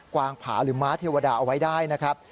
วางผาหรือม้าเทวดาเอาไว้ได้นะครับ